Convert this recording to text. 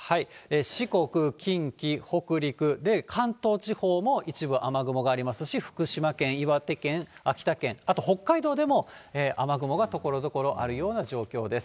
四国、近畿、北陸、関東地方も一部雨雲がありますし、福島県、岩手県、秋田県、あと北海道でも雨雲がところどころ、あるような状況です。